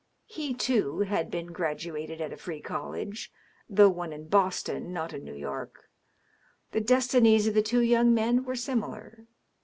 He, too, had been graduated at a free college, thou^ one in Boston, not New York. The destinies of the two young men were similar.